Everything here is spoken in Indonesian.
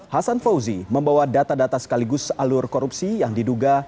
hasan fauzi membawa data data sekaligus alur korupsi yang diduga